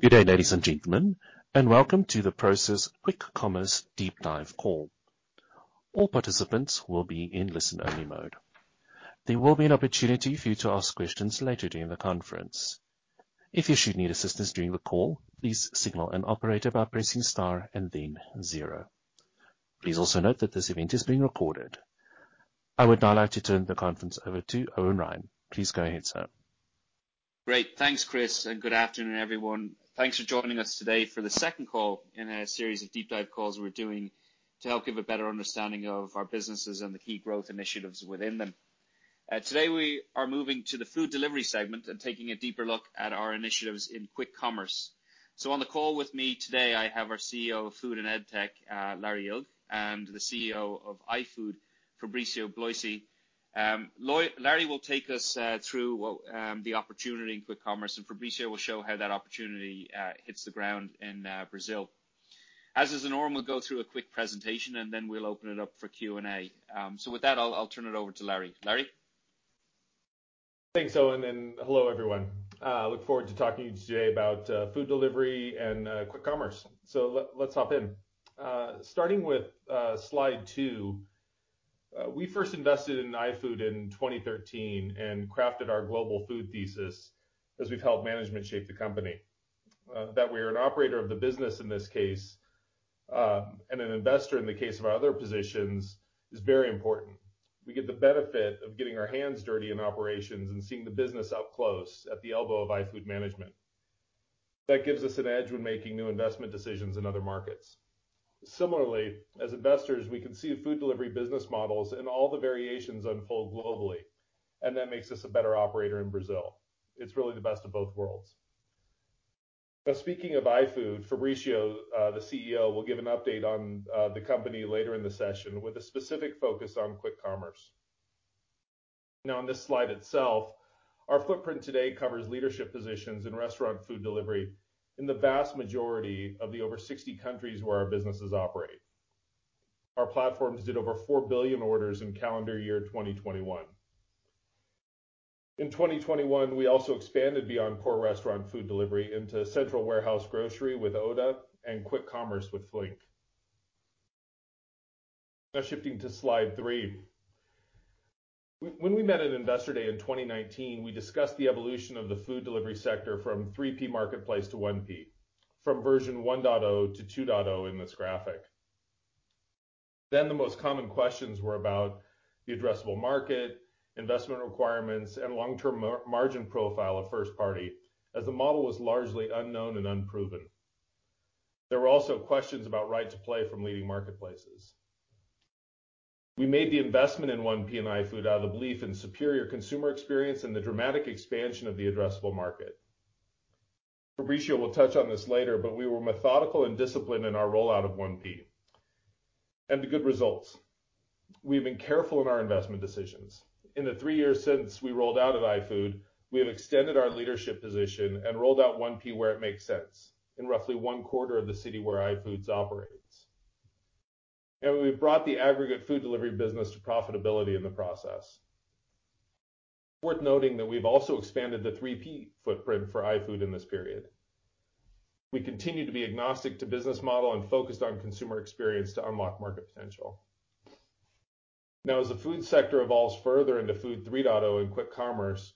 Good day, ladies and gentlemen, and welcome to the Prosus quick commerce deep dive call. All participants will be in listen-only mode. There will be an opportunity for you to ask questions later during the conference. If you should need assistance during the call, please signal an operator by pressing star and then zero. Please also note that this event is being recorded. I would now like to turn the conference over to Eoin Ryan. Please go ahead, sir. Great. Thanks, Chris, and good afternoon, everyone. Thanks for joining us today for the second call in a series of deep dive calls we're doing to help give a better understanding of our businesses and the key growth initiatives within them. Today we are moving to the food delivery segment and taking a deeper look at our initiatives in quick commerce. On the call with me today, I have our CEO of Food and EdTech, Larry Illg, and the CEO of iFood, Fabricio Bloisi. Larry will take us through the opportunity in quick commerce, and Fabricio will show how that opportunity hits the ground in Brazil. As is the norm, we'll go through a quick presentation and then we'll open it up for Q&A. With that, I'll turn it over to Larry. Larry. Thanks, Eoin, and hello, everyone. I look forward to talking to you today about food delivery and quick commerce. Let's hop in. Starting with slide two. We first invested in iFood in 2013 and crafted our global food thesis as we've helped management shape the company. That we are an operator of the business in this case and an investor in the case of our other positions is very important. We get the benefit of getting our hands dirty in operations and seeing the business up close at the elbow of iFood management. That gives us an edge when making new investment decisions in other markets. Similarly, as investors, we can see food delivery business models and all the variations unfold globally, and that makes us a better operator in Brazil. It's really the best of both worlds. Now, speaking of iFood, Fabricio, the CEO, will give an update on the company later in the session with a specific focus on quick commerce. Now in this slide itself, our footprint today covers leadership positions in restaurant food delivery in the vast majority of the over 60 countries where our businesses operate. Our platforms did over 4 billion orders in calendar year 2021. In 2021, we also expanded beyond core restaurant food delivery into central warehouse grocery with Oda and quick commerce with Flink. Now shifting to slide three. When we met at Investor Day in 2019, we discussed the evolution of the food delivery sector from 3P marketplace to 1P. From version 1.0 to 2.0 in this graphic. The most common questions were about the addressable market, investment requirements, and long-term margin profile of first party, as the model was largely unknown and unproven. There were also questions about right to play from leading marketplaces. We made the investment in 1P and iFood out of the belief in superior consumer experience and the dramatic expansion of the addressable market. Fabricio will touch on this later, but we were methodical and disciplined in our rollout of 1P, and the good results. We've been careful in our investment decisions. In the three years since we rolled out at iFood, we have extended our leadership position and rolled out 1P where it makes sense, in roughly one quarter of the city where iFood operates. We've brought the aggregate food delivery business to profitability in the process. Worth noting that we've also expanded the 3P footprint for iFood in this period. We continue to be agnostic to business model and focused on consumer experience to unlock market potential. Now, as the food sector evolves further into food 3.0 and quick commerce,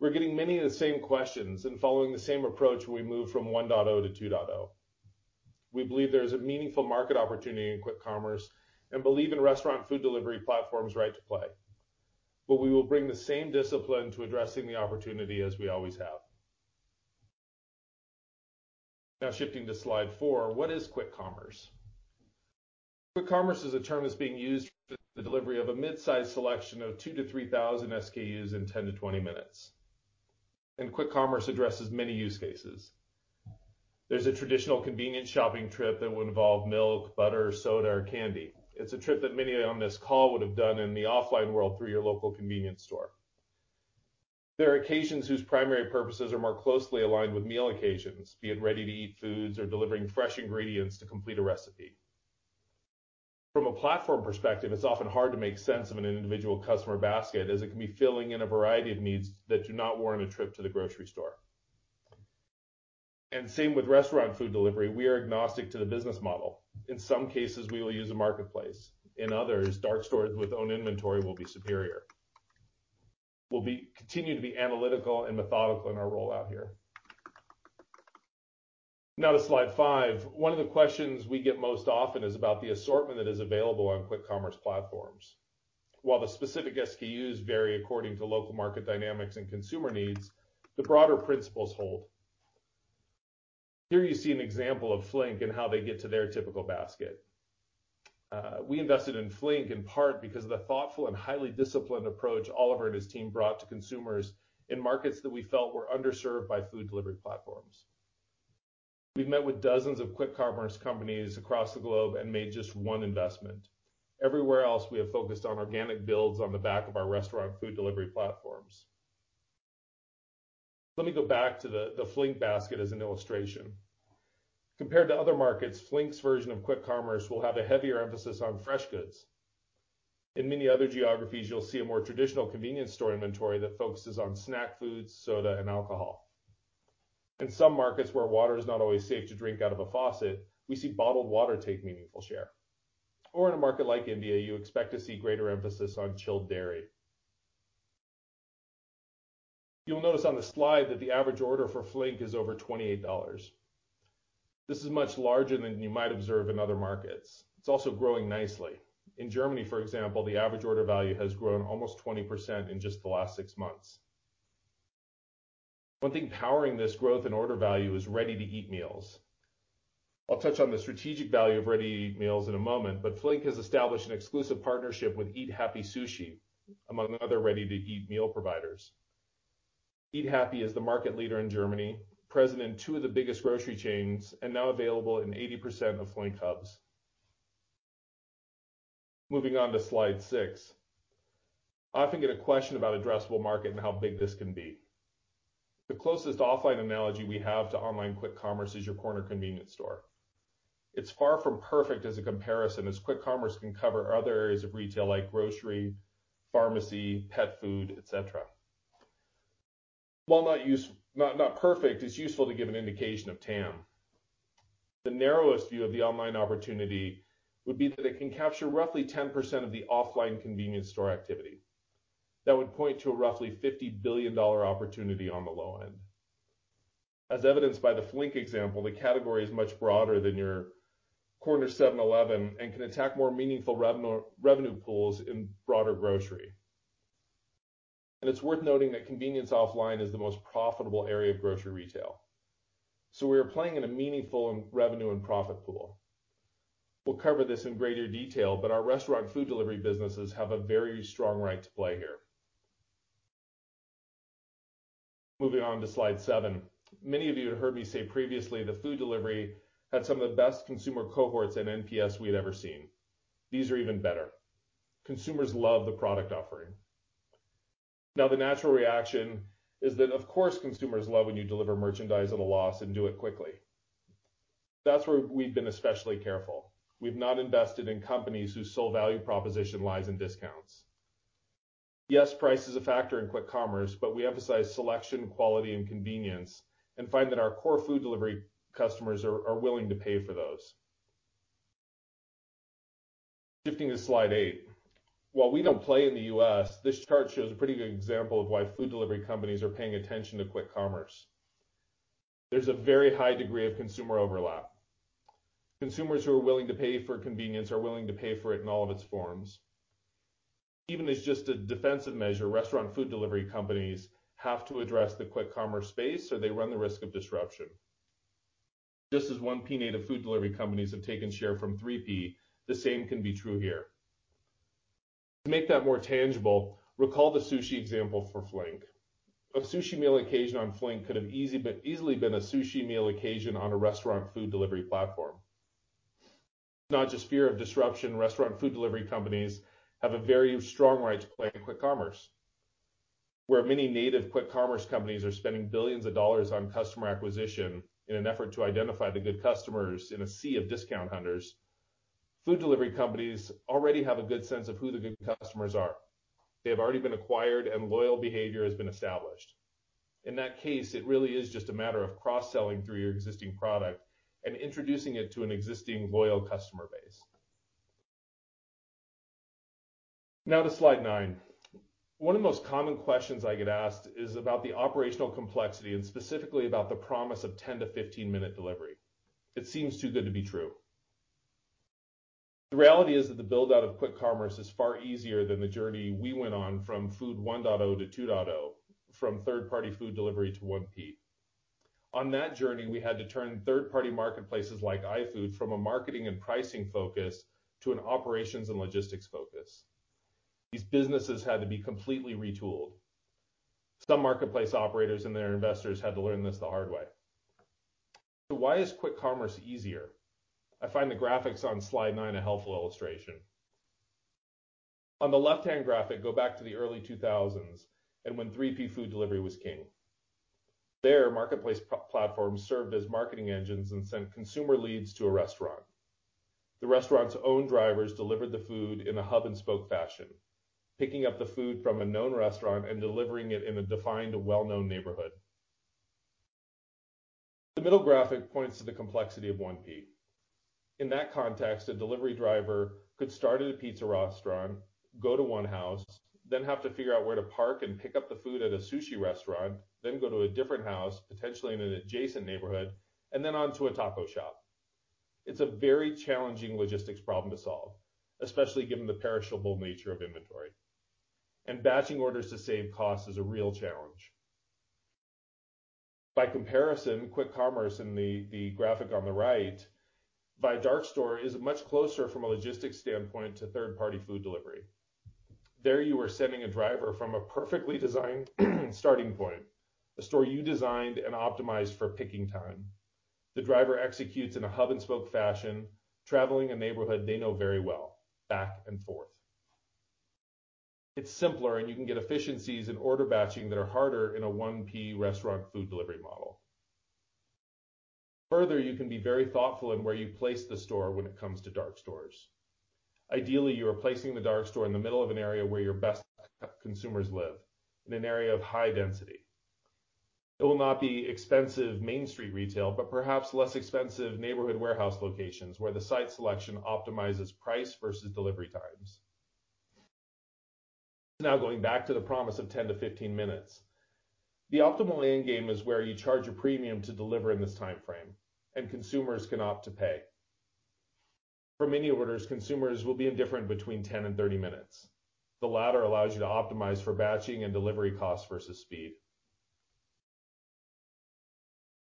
we're getting many of the same questions and following the same approach when we moved from 1.0 to 2.0. We believe there is a meaningful market opportunity in quick commerce and believe in restaurant food delivery platforms' right to play. We will bring the same discipline to addressing the opportunity as we always have. Now, shifting to slide four, what is quick commerce? Quick commerce is a term that's being used for the delivery of a mid-size selection of 2,000-3,000 SKUs in 10-20 minutes. Quick commerce addresses many use cases. There's a traditional convenience shopping trip that would involve milk, butter, soda, or candy. It's a trip that many on this call would have done in the offline world through your local convenience store. There are occasions whose primary purposes are more closely aligned with meal occasions, be it ready-to-eat foods or delivering fresh ingredients to complete a recipe. From a platform perspective, it's often hard to make sense of an individual customer basket as it can be filling in a variety of needs that do not warrant a trip to the grocery store. Same with restaurant food delivery, we are agnostic to the business model. In some cases, we will use a marketplace. In others, dark stores with own inventory will be superior. We'll continue to be analytical and methodical in our rollout here. Now to slide five. One of the questions we get most often is about the assortment that is available on quick commerce platforms. While the specific SKUs vary according to local market dynamics and consumer needs, the broader principles hold. Here you see an example of Flink and how they get to their typical basket. We invested in Flink in part because of the thoughtful and highly disciplined approach Oliver and his team brought to consumers in markets that we felt were underserved by food delivery platforms. We've met with dozens of quick commerce companies across the globe and made just one investment. Everywhere else, we have focused on organic builds on the back of our restaurant food delivery platforms. Let me go back to the Flink basket as an illustration. Compared to other markets, Flink's version of quick commerce will have a heavier emphasis on fresh goods. In many other geographies, you'll see a more traditional convenience store inventory that focuses on snack foods, soda, and alcohol. In some markets where water is not always safe to drink out of a faucet, we see bottled water take meaningful share. In a market like India, you expect to see greater emphasis on chilled dairy. You'll notice on the slide that the average order for Flink is over $28. This is much larger than you might observe in other markets. It's also growing nicely. In Germany, for example, the average order value has grown almost 20% in just the last six months. One thing powering this growth in order value is ready-to-eat meals. I'll touch on the strategic value of ready meals in a moment, but Flink has established an exclusive partnership with EAT HAPPY sushi, among other ready-to-eat meal providers. EAT HAPPY is the market leader in Germany, present in two of the biggest grocery chains, and now available in 80% of Flink hubs. Moving on to slide six. I often get a question about addressable market and how big this can be. The closest offline analogy we have to online quick commerce is your corner convenience store. It's far from perfect as a comparison, as quick commerce can cover other areas of retail like grocery, pharmacy, pet food, et cetera. While not perfect, it's useful to give an indication of TAM. The narrowest view of the online opportunity would be that it can capture roughly 10% of the offline convenience store activity. That would point to a roughly $50 billion opportunity on the low end. As evidenced by the Flink example, the category is much broader than your corner 7-Eleven and can attack more meaningful revenue pools in broader grocery. It's worth noting that convenience offline is the most profitable area of grocery retail. We are playing in a meaningful revenue and profit pool. We'll cover this in greater detail, but our restaurant food delivery businesses have a very strong right to play here. Moving on to slide seven. Many of you have heard me say previously that food delivery had some of the best consumer cohorts and NPS we had ever seen. These are even better. Consumers love the product offering. Now, the natural reaction is that, of course, consumers love when you deliver merchandise at a loss and do it quickly. That's where we've been especially careful. We've not invested in companies whose sole value proposition lies in discounts. Yes, price is a factor in quick commerce, but we emphasize selection, quality, and convenience, and find that our core food delivery customers are willing to pay for those. Shifting to slide eight. While we don't play in the U.S., this chart shows a pretty good example of why food delivery companies are paying attention to quick commerce. There's a very high degree of consumer overlap. Consumers who are willing to pay for convenience are willing to pay for it in all of its forms. Even as just a defensive measure, restaurant food delivery companies have to address the quick commerce space, or they run the risk of disruption. Just as 1P-native food delivery companies have taken share from 3P, the same can be true here. To make that more tangible, recall the sushi example for Flink. A sushi meal occasion on Flink could have easily been a sushi meal occasion on a restaurant food delivery platform. Not just fear of disruption, restaurant food delivery companies have a very strong right to play in quick commerce. Where many native quick commerce companies are spending billions of dollars on customer acquisition in an effort to identify the good customers in a sea of discount hunters, food delivery companies already have a good sense of who the good customers are. They have already been acquired, and loyal behavior has been established. In that case, it really is just a matter of cross-selling through your existing product and introducing it to an existing loyal customer base. Now to slide nine. One of the most common questions I get asked is about the operational complexity and specifically about the promise of 10-15 minute delivery. It seems too good to be true. The reality is that the build-out of quick commerce is far easier than the journey we went on from Food 1.0 to 2.0, from third-party food delivery to 1P. On that journey, we had to turn third-party marketplaces like iFood from a marketing and pricing focus to an operations and logistics focus. These businesses had to be completely retooled. Some marketplace operators and their investors had to learn this the hard way. Why is quick commerce easier? I find the graphics on slide nine a helpful illustration. On the left-hand graphic, go back to the early 2000s and when 3P food delivery was king. There, marketplace platforms served as marketing engines and sent consumer leads to a restaurant. The restaurant's own drivers delivered the food in a hub-and-spoke fashion, picking up the food from a known restaurant and delivering it in a defined, well-known neighborhood. The middle graphic points to the complexity of 1P. In that context, a delivery driver could start at a pizza restaurant, go to one house, then have to figure out where to park and pick up the food at a sushi restaurant, then go to a different house, potentially in an adjacent neighborhood, and then on to a taco shop. It's a very challenging logistics problem to solve, especially given the perishable nature of inventory. Batching orders to save costs is a real challenge. By comparison, quick commerce, the graphic on the right by a dark store is much closer from a logistics standpoint to third-party food delivery. There you are sending a driver from a perfectly designed starting point, a store you designed and optimized for picking time. The driver executes in a hub-and-spoke fashion, traveling a neighborhood they know very well, back and forth. It's simpler, and you can get efficiencies in order batching that are harder in a 1P restaurant food delivery model. Further, you can be very thoughtful in where you place the store when it comes to dark stores. Ideally, you are placing the dark store in the middle of an area where your best consumers live, in an area of high density. It will not be expensive main street retail, but perhaps less expensive neighborhood warehouse locations where the site selection optimizes price versus delivery times. Now going back to the promise of 10-15 minutes. The optimal end game is where you charge a premium to deliver in this timeframe, and consumers can opt to pay. For many orders, consumers will be indifferent between 10 and 30 minutes. The latter allows you to optimize for batching and delivery costs versus speed.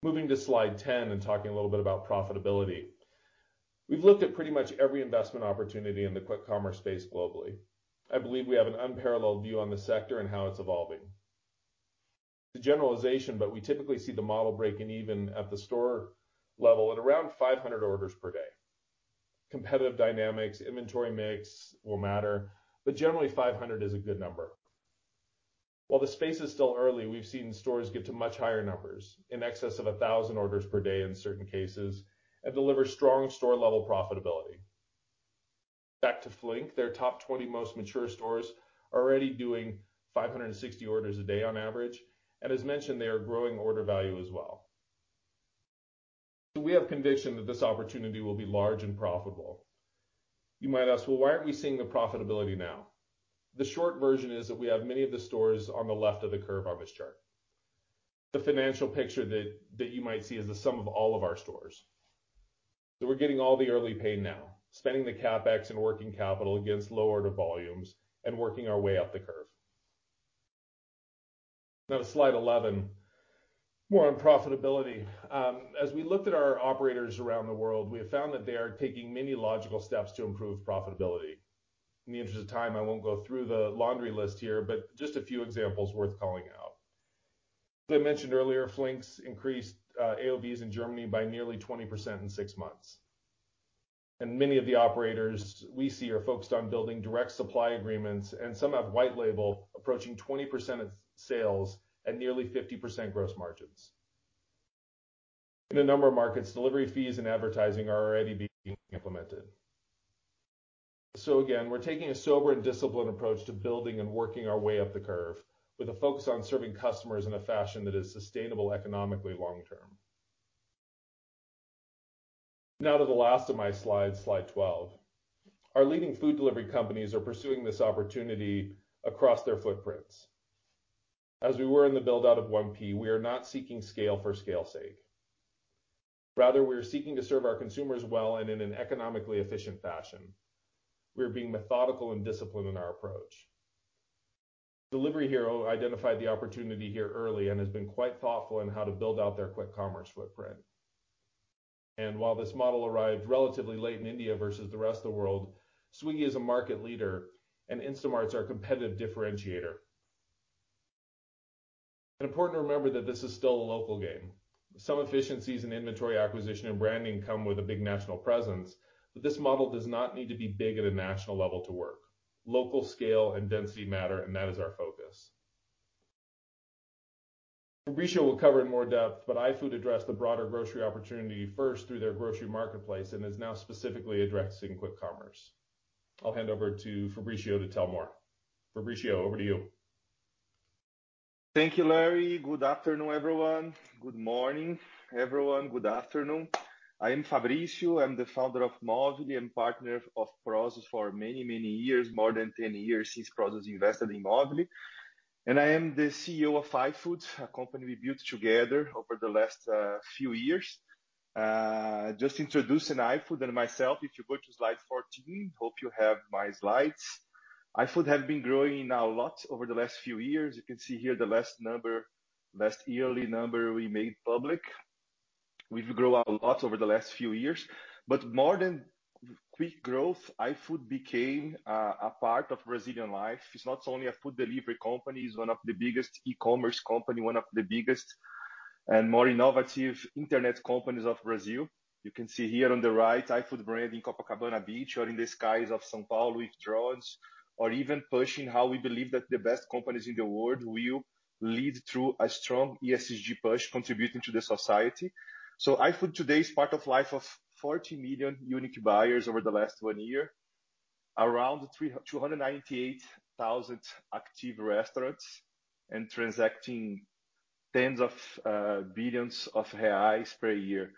Moving to slide 10 and talking a little bit about profitability. We've looked at pretty much every investment opportunity in the quick commerce space globally. I believe we have an unparalleled view on the sector and how it's evolving. It's a generalization, but we typically see the model breaking even at the store level at around 500 orders per day. Competitive dynamics, inventory mix will matter, but generally 500 is a good number. While the space is still early, we've seen stores get to much higher numbers, in excess of 1,000 orders per day in certain cases, and deliver strong store-level profitability. Back to Flink, their top 20 most mature stores are already doing 560 orders a day on average, and as mentioned, they are growing order value as well. We have conviction that this opportunity will be large and profitable. You might ask, "Well, why aren't we seeing the profitability now?" The short version is that we have many of the stores on the left of the curve on this chart. The financial picture that you might see is the sum of all of our stores. We're getting all the early pay now, spending the CapEx and working capital against lower order volumes and working our way up the curve. Now to slide eleven. More on profitability. As we looked at our operators around the world, we have found that they are taking many logical steps to improve profitability. In the interest of time, I won't go through the laundry list here, but just a few examples worth calling out. As I mentioned earlier, Flink's increased AOV in Germany by nearly 20% in six months. Many of the operators we see are focused on building direct supply agreements, and some have white label approaching 20% of sales at nearly 50% gross margins. In a number of markets, delivery fees and advertising are already being implemented. We're taking a sober and disciplined approach to building and working our way up the curve with a focus on serving customers in a fashion that is sustainable economically long term. Now to the last of my slides, slide 12. Our leading food delivery companies are pursuing this opportunity across their footprints. As we were in the build-out of 1P, we are not seeking scale for scale's sake. Rather, we are seeking to serve our consumers well and in an economically efficient fashion. We are being methodical and disciplined in our approach. Delivery Hero identified the opportunity here early and has been quite thoughtful in how to build out their quick commerce footprint. While this model arrived relatively late in India versus the rest of the world, Swiggy is a market leader, and Instamart is our competitive differentiator. It's important to remember that this is still a local game. Some efficiencies in inventory acquisition and branding come with a big national presence, but this model does not need to be big at a national level to work. Local scale and density matter, and that is our focus. Fabricio will cover in more depth, but iFood addressed the broader grocery opportunity first through their grocery marketplace and is now specifically addressing quick commerce. I'll hand over to Fabricio to tell more. Fabricio, over to you. Thank you, Larry. Good afternoon, everyone. Good morning, everyone. Good afternoon. I am Fabricio. I'm the founder of Movile and partner of Prosus for many, many years, more than 10 years since Prosus invested in Movile. I am the CEO of iFood, a company we built together over the last few years. Just introducing iFood and myself. If you go to slide 14, hope you have my slides. iFood have been growing now a lot over the last few years. You can see here the last number, last yearly number we made public. We've grown a lot over the last few years, but more than quick growth, iFood became a part of Brazilian life. It's not only a food delivery company, it's one of the biggest e-commerce company, one of the biggest and more innovative internet companies of Brazil. You can see here on the right, iFood brand in Copacabana Beach or in the skies of São Paulo with drones or even pushing how we believe that the best companies in the world will lead through a strong ESG push, contributing to the society. iFood today is part of life of 40 million unique buyers over the last one year. Around 298,000 active restaurants and transacting tens of billions of reais per year.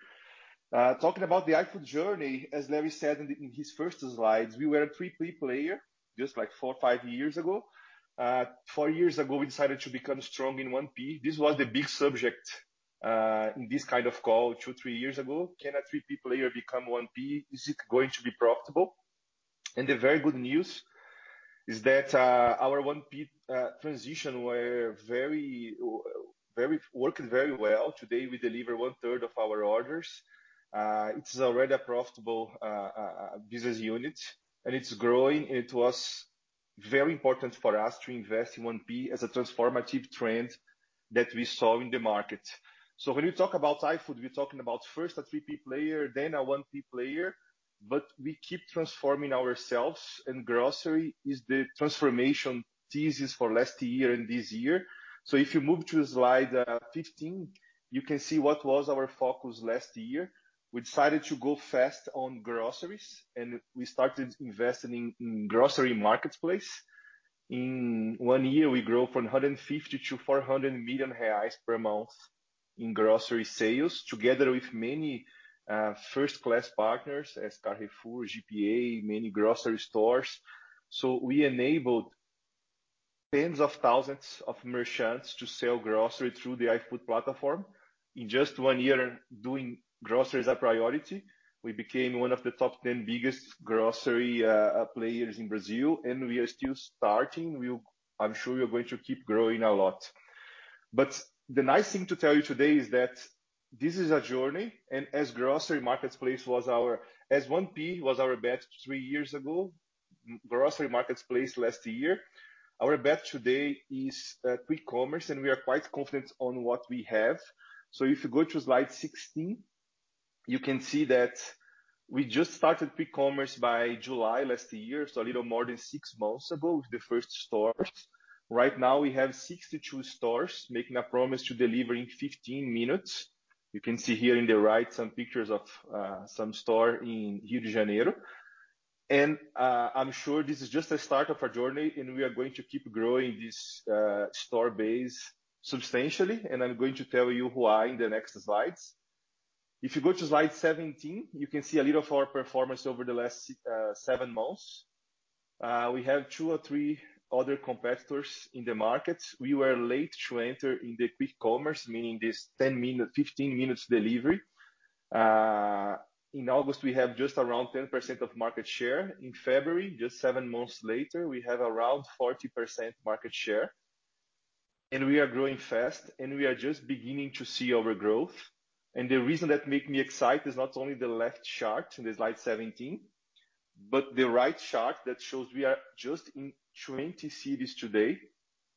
Talking about the iFood journey, as Larry said in his first slides, we were a 3P player just like four or five years ago. Four years ago, we decided to become strong in 1P. This was the big subject in this kind of call two or three years ago. Can a 3P player become 1P? Is it going to be profitable? The very good news is that our 1P transition were very well. Today, we deliver 1/3 of our orders. It's already a profitable business unit, and it's growing. It was very important for us to invest in 1P as a transformative trend that we saw in the market. When you talk about iFood, we're talking about first a 3P player, then a 1P player. We keep transforming ourselves, and grocery is the transformation thesis for last year and this year. If you move to slide 15, you can see what was our focus last year. We decided to go fast on groceries, and we started investing in grocery marketplace. In one year, we grew from 150 million to 400 million reais per month in grocery sales, together with many first-class partners as Carrefour, GPA, many grocery stores. We enabled tens of thousands of merchants to sell grocery through the iFood platform. In just one year doing grocery as a priority, we became one of the top 10 biggest grocery players in Brazil, and we are still starting. I'm sure we are going to keep growing a lot. The nice thing to tell you today is that this is a journey, and as grocery marketplace was our as 1P was our bet three years ago, grocery marketplace last year, our bet today is quick commerce, and we are quite confident on what we have. If you go to slide 16, you can see that we just started quick commerce by July last year, so a little more than six months ago with the first stores. Right now we have 62 stores making a promise to deliver in 15 minutes. You can see here on the right some pictures of some store in Rio de Janeiro. I'm sure this is just the start of our journey, and we are going to keep growing this store base substantially, and I'm going to tell you why in the next slides. If you go to slide 17, you can see a little of our performance over the last seven months. We have two or three other competitors in the market. We were late to enter in the quick commerce, meaning this 10-minute, 15-minute delivery. In August, we have just around 10% of market share. In February, just seven months later, we have around 40% market share. We are growing fast, and we are just beginning to see our growth. The reason that make me excited is not only the left chart in the slide 17, but the right chart that shows we are just in 20 cities today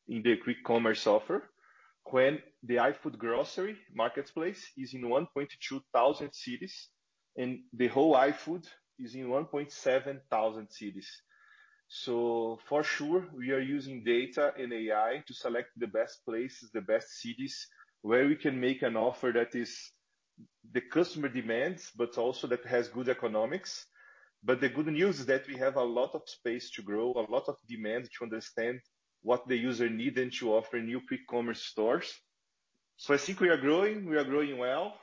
in the quick commerce offer, when the iFood grocery marketplace is in 1,200 cities, and the whole iFood is in 1,700 cities. For sure, we are using data and AI to select the best places, the best cities where we can make an offer that is the customer demands, but also that has good economics. The good news is that we have a lot of space to grow, a lot of demand to understand what the user need and to offer new quick commerce stores. I think we are growing, we are growing well,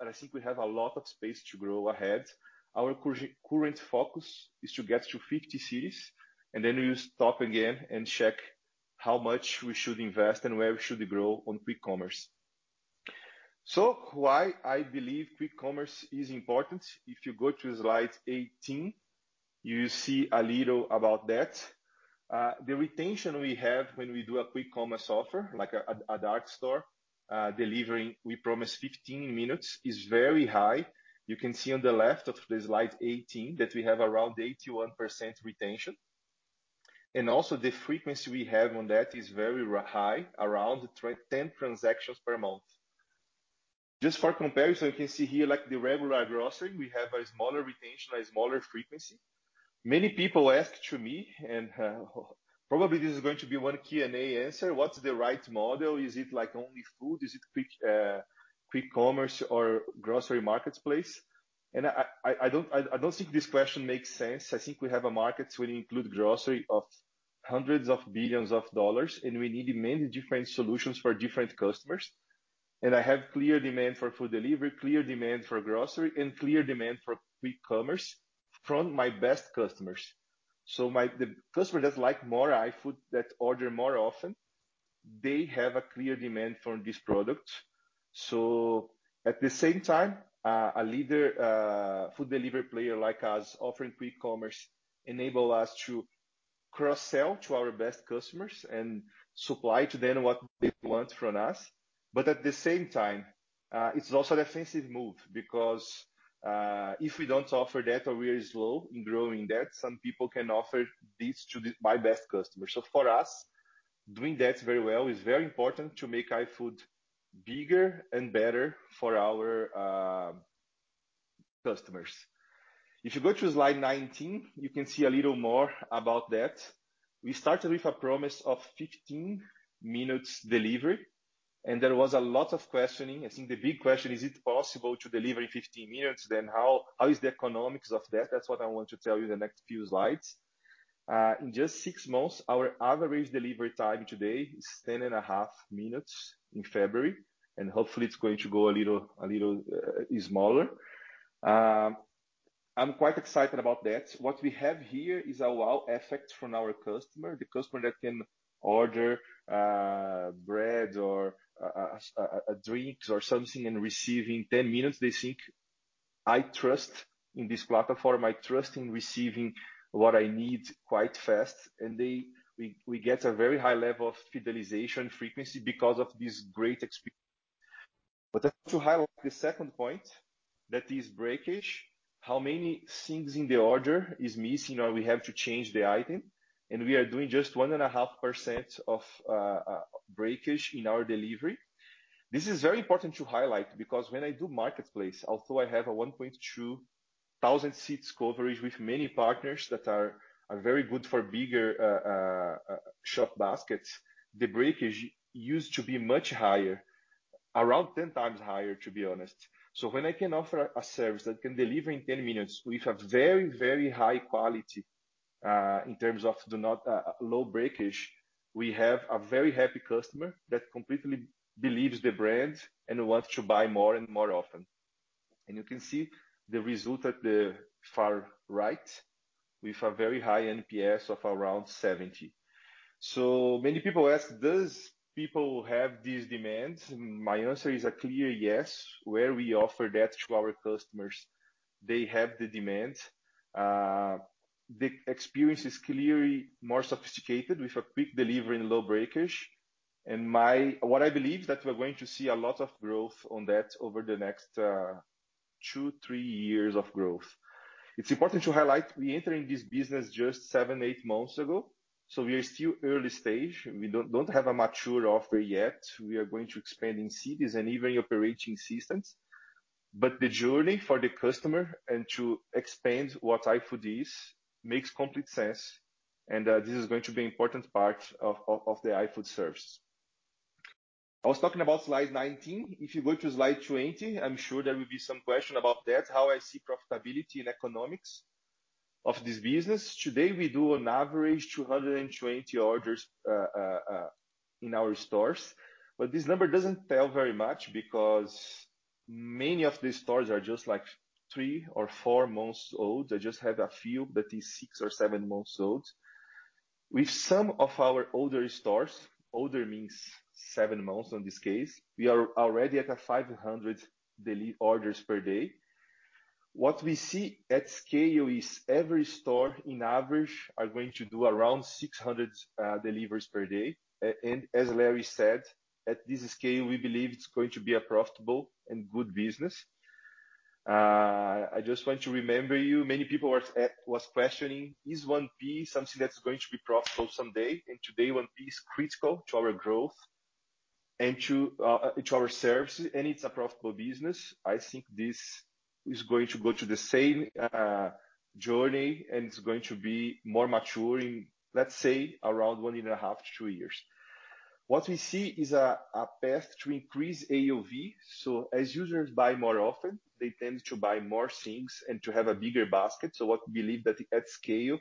and I think we have a lot of space to grow ahead. Our current focus is to get to 50 cities, and then we will stop again and check how much we should invest and where we should grow on quick commerce. Why I believe quick commerce is important, if you go to slide 18, you see a little about that. The retention we have when we do a quick commerce offer, like a dark store delivering, we promise 15 minutes, is very high. You can see on the left of the slide 18 that we have around 81% retention. Also the frequency we have on that is very high, around 10 transactions per month. Just for comparison, you can see here, like the regular grocery, we have a smaller retention, a smaller frequency. Many people ask to me, and probably this is going to be one Q&A answer, "What's the right model? Is it like only food? Is it quick commerce or grocery marketplace?" I don't think this question makes sense. I think we have a market which include grocery of hundreds of billions of dollars, and we need many different solutions for different customers. I have clear demand for food delivery, clear demand for grocery, and clear demand for quick commerce from my best customers. The customer that like more iFood, that order more often, they have a clear demand for this product. At the same time, a leading food delivery player like us offering quick commerce enables us to cross-sell to our best customers and supply to them what they want from us. At the same time, it's also a defensive move because if we don't offer that or we are slow in growing that, some people can offer this to my best customers. For us, doing that very well is very important to make iFood bigger and better for our customers. If you go to slide 19, you can see a little more about that. We started with a promise of 15 minutes delivery, and there was a lot of questioning. I think the big question is it possible to deliver in 15 minutes, then how is the economics of that? That's what I want to tell you the next few slides. In just six months, our average delivery time today is 10.5 minutes in February, and hopefully it's going to go a little smaller. I'm quite excited about that. What we have here is a wow effect from our customer. The customer that can order bread or a drink or something and receive in 10 minutes, they think, "I trust in this platform. I trust in receiving what I need quite fast." They get a very high level of fidelization frequency because of this great experience. To highlight the second point, that is breakage, how many things in the order is missing or we have to change the item, and we are doing just 1.5% of breakage in our delivery. This is very important to highlight because when I do marketplace, although I have a 1,200 seats coverage with many partners that are very good for bigger shop baskets. The breakage used to be much higher, around 10x higher, to be honest. When I can offer a service that can deliver in 10 minutes with a very high quality in terms of the low breakage, we have a very happy customer that completely believes the brand and wants to buy more and more often. You can see the result at the far right with a very high NPS of around 70. Many people ask, "Does people have these demands?" My answer is a clear yes. Where we offer that to our customers, they have the demand. The experience is clearly more sophisticated with a quick delivery and low breakage. What I believe is that we're going to see a lot of growth on that over the next two, three years of growth. It's important to highlight we entered this business just seven, eight months ago, so we are still early stage. We don't have a mature offer yet. We are going to expand in cities and even operating systems. The journey for the customer and to expand what iFood is makes complete sense and this is going to be important part of the iFood service. I was talking about slide 19. If you go to slide 20, I'm sure there will be some question about that, how I see profitability and economics of this business. Today, we do on average 220 orders in our stores. This number doesn't tell very much because many of these stores are just, like, three or four months old. I just have a few that is six or seven months old. With some of our older stores, older means seven months in this case, we are already at 500 orders per day. What we see at scale is every store on average is going to do around 600 deliveries per day. As Larry said, at this scale, we believe it's going to be a profitable and good business. I just want to remind you, many people was questioning, is 1P something that's going to be profitable someday? Today, 1P is critical to our growth and to our service, and it's a profitable business. I think this is going to go to the same journey, and it's going to be more mature in, let's say, around 1.5-2 years. What we see is a path to increase AOV. As users buy more often, they tend to buy more things and to have a bigger basket. What we believe that at scale,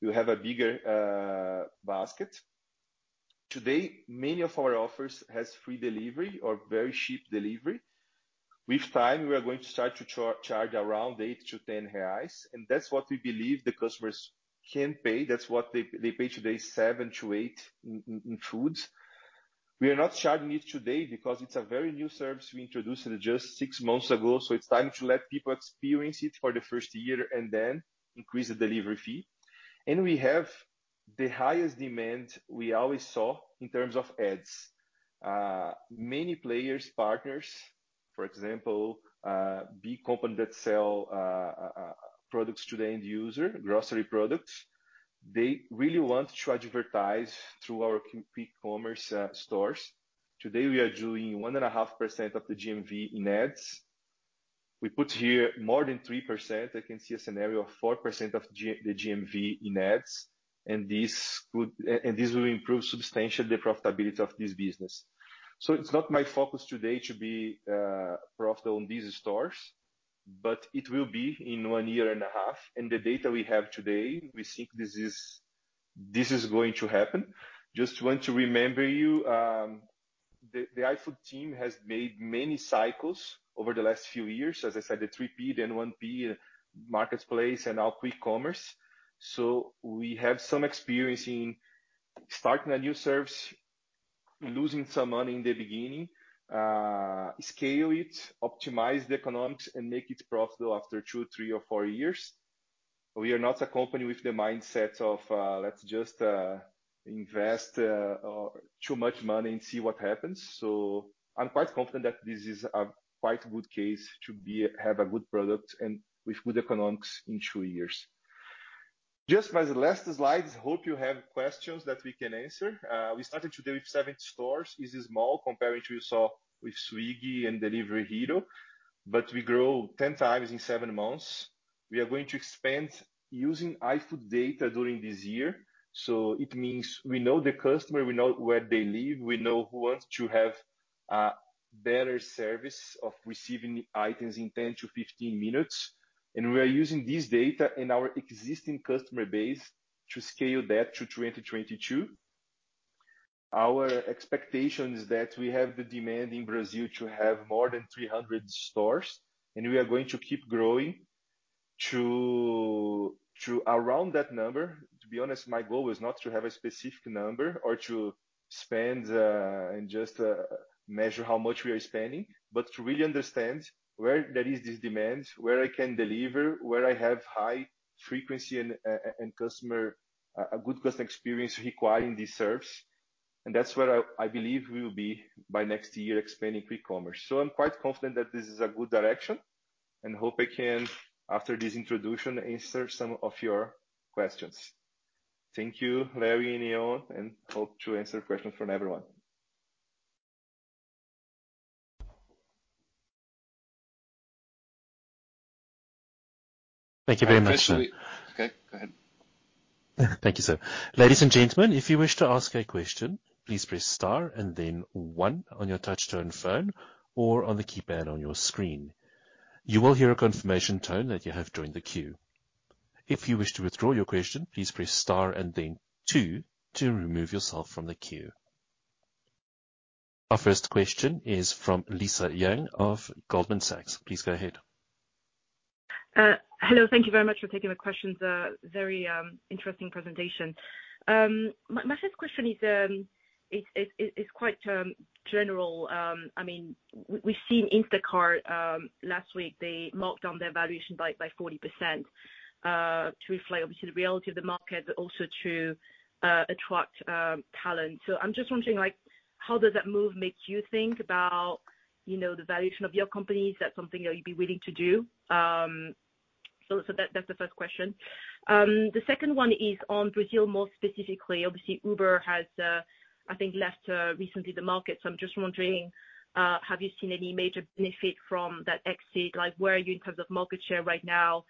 you have a bigger basket. Today, many of our offers has free delivery or very cheap delivery. With time, we are going to start to charge around 8-10 reais, and that's what we believe the customers can pay. That's what they pay today, 7-8 in food. We are not charging it today because it's a very new service we introduced just six months ago, so it's time to let people experience it for the first year and then increase the delivery fee. We have the highest demand we always saw in terms of ads. Many players, partners, for example, big company that sell products to the end user, grocery products, they really want to advertise through our quick commerce stores. Today, we are doing 1.5% of the GMV in ads. We put here more than 3%. I can see a scenario of 4% of the GMV in ads, and this will improve substantially the profitability of this business. It's not my focus today to be profitable on these stores, but it will be in 1.5 years. The data we have today, we think this is going to happen. Just want to remind you, the iFood team has made many cycles over the last few years. As I said, the 3P, then 1P, Marketplace and now Quick Commerce. We have some experience in starting a new service, losing some money in the beginning, scale it, optimize the economics, and make it profitable after two, three, or four years. We are not a company with the mindset of, let's just, invest, too much money and see what happens. I'm quite confident that this is a quite good case to have a good product and with good economics in two years. Just as the last slides, hope you have questions that we can answer. We started today with seven stores. This is small compared to what you saw with Swiggy and Delivery Hero, but we grow 10x in seven months. We are going to expand using iFood data during this year, so it means we know the customer, we know where they live, we know who wants to have better service of receiving items in 10-15 minutes. We are using this data in our existing customer base to scale that to 2022. Our expectation is that we have the demand in Brazil to have more than 300 stores, and we are going to keep growing to around that number. To be honest, my goal is not to have a specific number or to spend and just measure how much we are spending, but to really understand where there is this demand, where I can deliver, where I have high frequency and a good customer experience requiring this service. That's where I believe we will be by next year expanding Quick Commerce. I'm quite confident that this is a good direction, and hope I can, after this introduction, answer some of your questions. Thank you, Larry and Eoin, and hope to answer questions from everyone. Thank you very much. Okay, go ahead. Thank you, sir. Ladies and gentlemen, if you wish to ask a question, please press star and then one on your touch-tone phone or on the keypad on your screen. You will hear a confirmation tone that you have joined the queue. If you wish to withdraw your question, please press star and then two to remove yourself from the queue. Our first question is from Lisa Yang of Goldman Sachs. Please go ahead. Hello. Thank you very much for taking the questions. Very interesting presentation. My first question is quite general. I mean, we've seen Instacart last week, they marked down their valuation by 40% to reflect obviously the reality of the market, but also to attract talent. I'm just wondering, like, how does that move make you think about, you know, the valuation of your company? Is that something that you'd be willing to do? That's the first question. The second one is on Brazil more specifically. Obviously, Uber has, I think, left the market recently. I'm just wondering, have you seen any major benefit from that exit? Like where are you in terms of market share right now?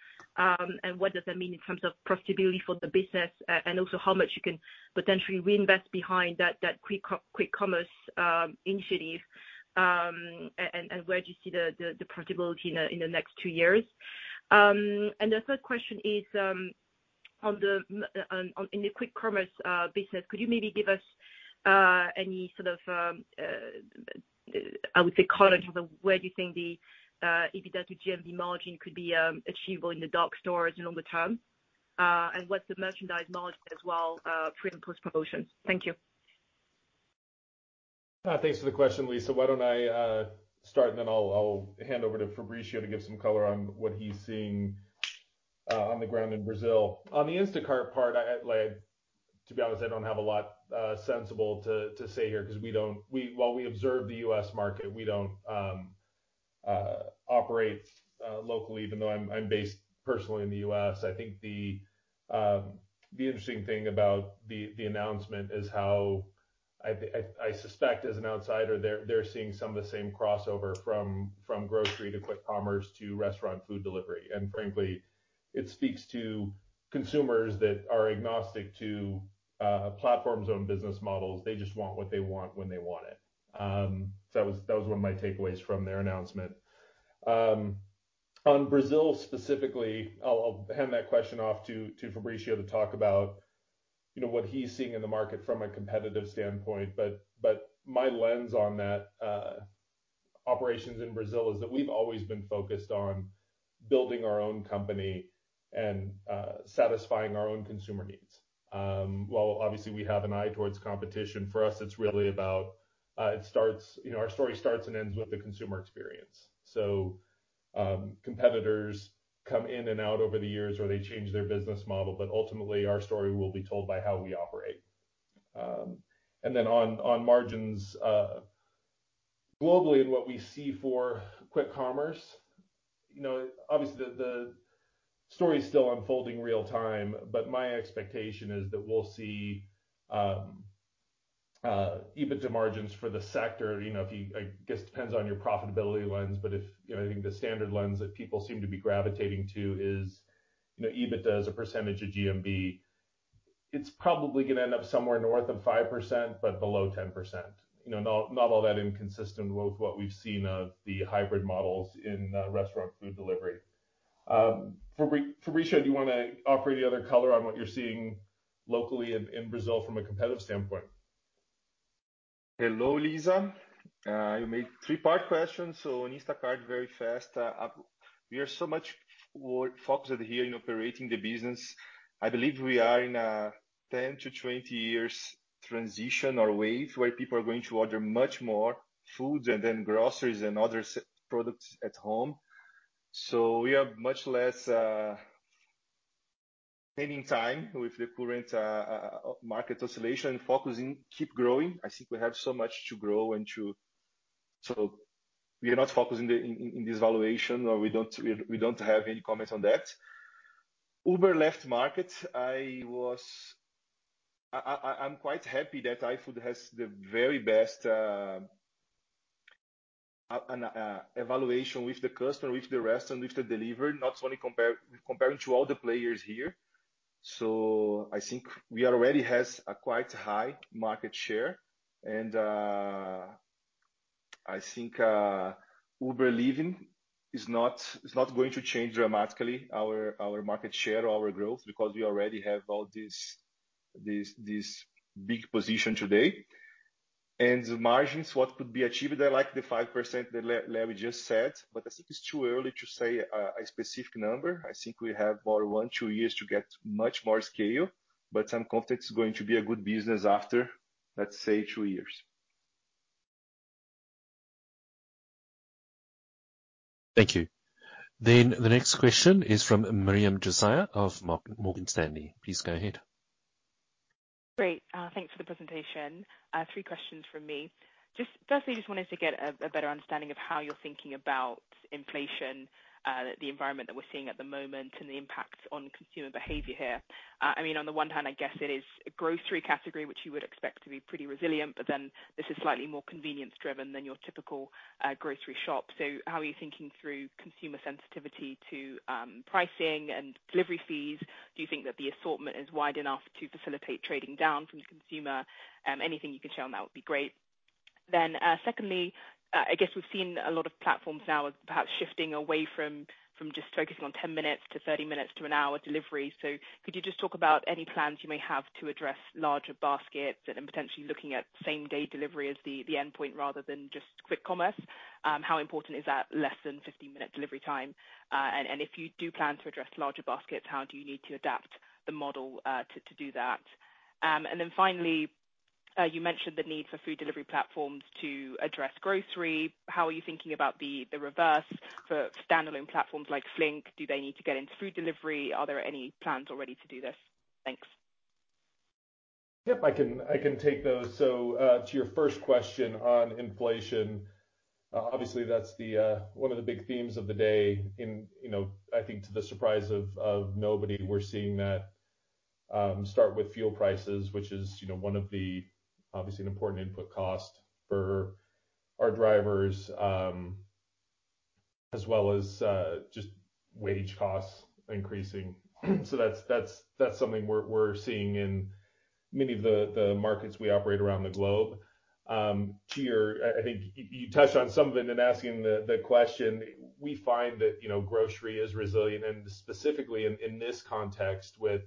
What does that mean in terms of profitability for the business? Also how much you can potentially reinvest behind that quick commerce initiative, and where do you see the profitability in the next two years? The third question is on the quick commerce business. Could you maybe give us any sort of color in terms of where do you think the EBITDA to GMV margin could be achievable in the dark stores longer term? What's the merchandise margin as well, pre and post-promotions? Thank you. Thanks for the question, Lisa. Why don't I start, and then I'll hand over to Fabricio to give some color on what he's seeing on the ground in Brazil. On the Instacart part, to be honest, I don't have a lot sensible to say here 'cause we don't. While we observe the U.S. market, we don't operate locally, even though I'm based personally in the U.S. I think the interesting thing about the announcement is how I suspect as an outsider, they're seeing some of the same crossover from grocery to quick commerce to restaurant food delivery. Frankly, it speaks to consumers that are agnostic to platforms' own business models. They just want what they want when they want it. That was one of my takeaways from their announcement. On Brazil specifically, I'll hand that question off to Fabricio to talk about, you know, what he's seeing in the market from a competitive standpoint. My lens on that, operations in Brazil is that we've always been focused on building our own company and satisfying our own consumer needs. While obviously we have an eye towards competition, for us, it's really about, you know, our story starts and ends with the consumer experience. Competitors come in and out over the years, or they change their business model, but ultimately, our story will be told by how we operate. On margins globally and what we see for quick commerce, you know, obviously the story is still unfolding real-time, but my expectation is that we'll see EBITDA margins for the sector. You know, I guess it depends on your profitability lens. If, you know, I think the standard lens that people seem to be gravitating to is, you know, EBITDA as a percentage of GMV. It's probably gonna end up somewhere north of 5%, but below 10%. You know, not all that inconsistent with what we've seen of the hybrid models in restaurant food delivery. Fabricio, do you wanna offer any other color on what you're seeing locally in Brazil from a competitive standpoint? Hello, Lisa. You made three-part questions, so on Instacart, very fast. We are so much more focused here in operating the business. I believe we are in a 10-20 years transition or wave where people are going to order much more foods and then groceries and other products at home. We are much less spending time with the current market oscillation and focusing keep growing. I think we have so much to grow. We are not focusing in this valuation, or we don't have any comments on that. Uber left market. I'm quite happy that iFood has the very best relation with the customer, with the restaurant, with the delivery, not only comparing to all the players here. I think we already have a quite high market share. I think Uber leaving is not going to change dramatically our market share or our growth because we already have all this big position today. The margins, what could be achieved, are like the 5% that Larry Illg just said, but I think it's too early to say a specific number. I think we have about one, two years to get much more scale, but I'm confident it's going to be a good business after, let's say, two years. Thank you. The next question is from Miriam Josiah of Morgan Stanley. Please go ahead. Great. Thanks for the presentation. Three questions from me. Just firstly, just wanted to get a better understanding of how you're thinking about inflation, the environment that we're seeing at the moment and the impact on consumer behavior here. I mean, on the one hand, I guess it is a grocery category, which you would expect to be pretty resilient, but then this is slightly more convenience-driven than your typical grocery shop. So how are you thinking through consumer sensitivity to pricing and delivery fees? Do you think that the assortment is wide enough to facilitate trading down from the consumer? Anything you can share on that would be great. Then, secondly, I guess we've seen a lot of platforms now perhaps shifting away from just focusing on 10 minutes to 30 minutes to 1 hour delivery. Could you just talk about any plans you may have to address larger baskets and potentially looking at same-day delivery as the endpoint rather than just quick commerce? How important is that less than 15-minute delivery time? And if you do plan to address larger baskets, how do you need to adapt the model, to do that? And then finally, you mentioned the need for food delivery platforms to address grocery. How are you thinking about the reverse for standalone platforms like Flink? Do they need to get into food delivery? Are there any plans already to do this? Thanks. I can take those. To your first question on inflation, obviously that's one of the big themes of the day in, you know, I think to the surprise of nobody, we're seeing that start with fuel prices, which is, you know, one of the obviously an important input cost for our drivers, as well as just wage costs increasing. That's something we're seeing in many of the markets we operate around the globe. To your... I think you touched on some of it in asking the question. We find that, you know, grocery is resilient and specifically in this context with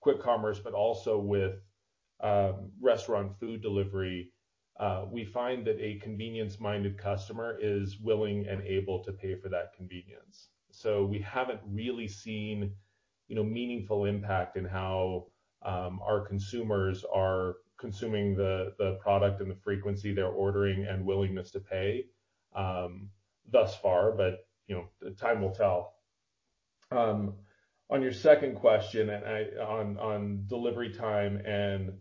quick commerce, but also with restaurant food delivery, we find that a convenience-minded customer is willing and able to pay for that convenience. We haven't really seen, you know, meaningful impact in how our consumers are consuming the product and the frequency they're ordering and willingness to pay thus far. Time will tell. On your second question, on delivery time and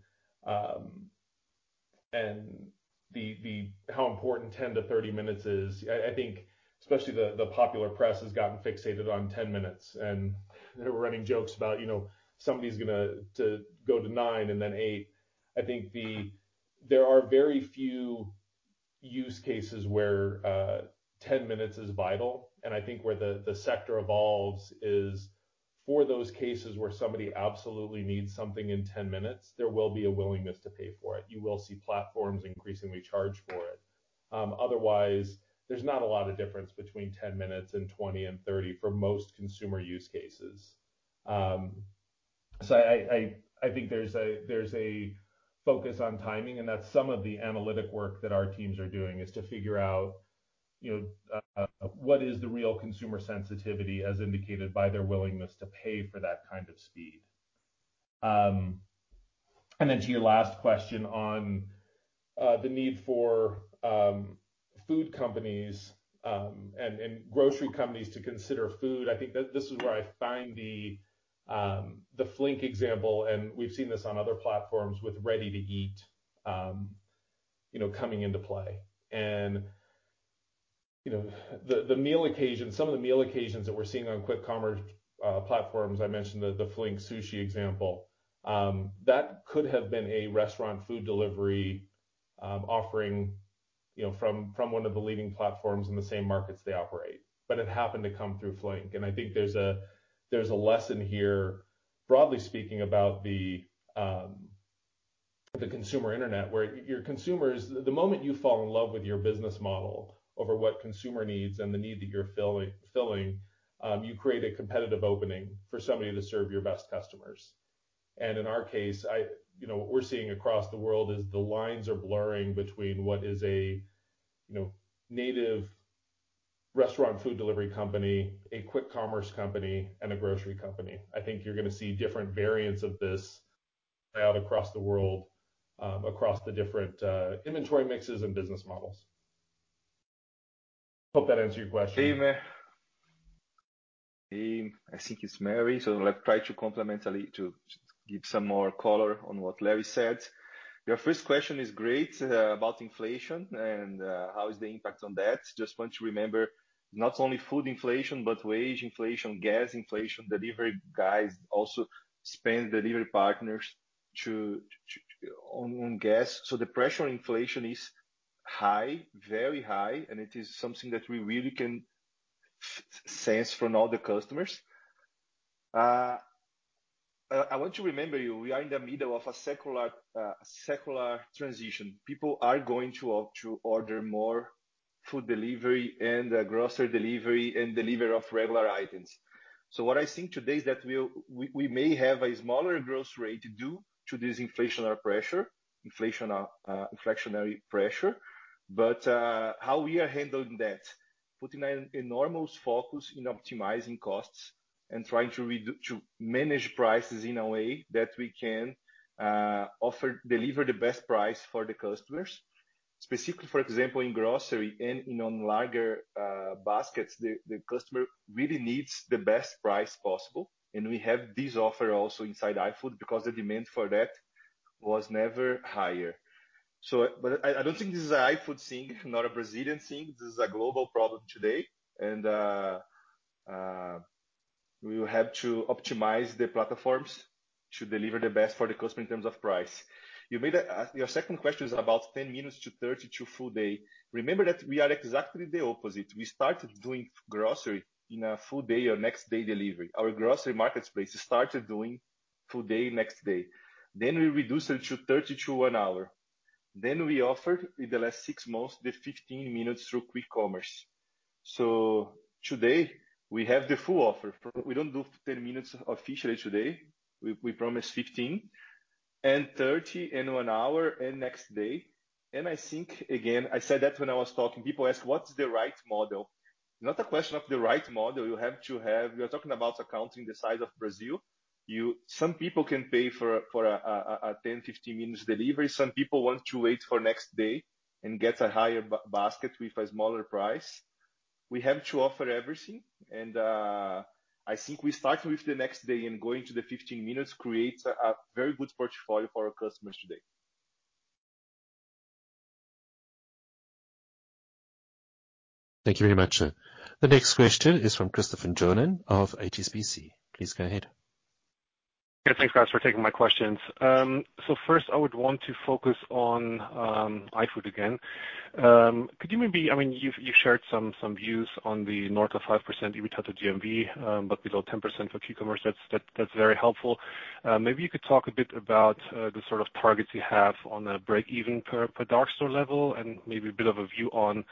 the how important 10-30 minutes is, I think especially the popular press has gotten fixated on 10 minutes, and they're running jokes about, you know, somebody's gonna go to nine and then eight. There are very few use cases where 10 minutes is vital, and I think where the sector evolves is for those cases where somebody absolutely needs something in 10 minutes, there will be a willingness to pay for it. You will see platforms increasingly charge for it. Otherwise there's not a lot of difference between 10 minutes and 20 and 30 for most consumer use cases. So I think there's a focus on timing, and that's some of the analytic work that our teams are doing, is to figure out, you know, what is the real consumer sensitivity as indicated by their willingness to pay for that kind of speed. And then to your last question on the need for food companies and grocery companies to consider food. I think this is where I find the Flink example, and we've seen this on other platforms with ready-to-eat, you know, coming into play. You know, the meal occasion. Some of the meal occasions that we're seeing on quick commerce platforms, I mentioned the Flink sushi example, that could have been a restaurant food delivery offering, you know, from one of the leading platforms in the same markets they operate, but it happened to come through Flink. I think there's a lesson here, broadly speaking, about the consumer internet, where your consumers, the moment you fall in love with your business model over what consumer needs and the need that you're filling, you create a competitive opening for somebody to serve your best customers. In our case, you know, what we're seeing across the world is the lines are blurring between what is a native restaurant food delivery company, a quick commerce company, and a grocery company. I think you're gonna see different variants of this play out across the world, across the different, inventory mixes and business models. Hope that answers your question. Hey, I think it's Mary. Let's try to complementally give some more color on what Larry said. Your first question is great about inflation and how is the impact on that. Just want to remember, not only food inflation, but wage inflation, gas inflation. Delivery partners also spend on gas. The pressure on inflation is high, very high, and it is something that we really can sense from all the customers. I want to remind you, we are in the middle of a secular transition. People are going to opt to order more food delivery and grocery delivery and delivery of regular items. What I think today is that we'll we may have a smaller growth rate due to this inflationary pressure, but how we are handling that, putting an enormous focus in optimizing costs and trying to manage prices in a way that we can deliver the best price for the customers. Specifically, for example, in grocery and in larger baskets, the customer really needs the best price possible, and we have this offer also inside iFood because the demand for that was never higher. I don't think this is an iFood thing, not a Brazilian thing. This is a global problem today. We will have to optimize the platforms to deliver the best for the customer in terms of price. Your second question is about 10 minutes to 30 to full day. Remember that we are exactly the opposite. We started doing grocery in a full day or next day delivery. Our grocery marketplace started doing full day, next day. We reduced it to 30 to one hour. We offered, in the last six months, the 15 minutes through quick commerce. Today, we have the full offer. We don't do 10 minutes officially today. We promise 15 and 30 and 1 hour and next day. I think, again, I said that when I was talking, people ask, "What's the right model?" Not a question of the right model you have to have. We are talking about a country in the size of Brazil. You. Some people can pay for a 10, 15 minutes delivery. Some people want to wait for next day and get a higher basket with a smaller price. We have to offer everything. I think we start with the next day and going to the 15 minutes creates a very good portfolio for our customers today. Thank you very much, sir. The next question is from Christopher Johnen of HSBC. Please go ahead. Yeah, thanks guys for taking my questions. So first, I would want to focus on iFood again. I mean, you've shared some views on the north of 5% EBITDA to GMV, but below 10% for Q-commerce. That's very helpful. Maybe you could talk a bit about the sort of targets you have on a break-even per dark store level and maybe a bit of a view on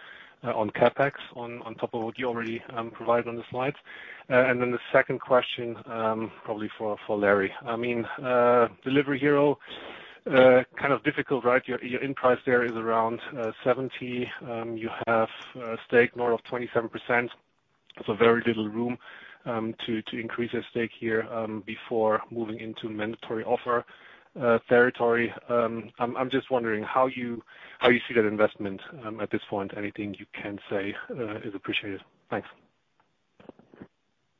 CapEx on top of what you already provided on the slides. The second question, probably for Larry. I mean, Delivery Hero kind of difficult, right? Your end price there is around 70. You have a stake north of 27%. Very little room to increase at stake here before moving into mandatory offer territory. I'm just wondering how you see that investment at this point. Anything you can say is appreciated. Thanks.